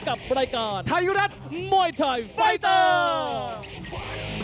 กับรายการไทยรัฐมวยไทยไฟเตอร์